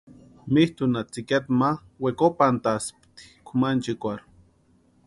Mitʼunha tsïkiata ma wekopantaspti kʼumanchikwarhu.